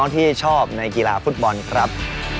ที่ชอบในกีฬาฟุตบอลครับ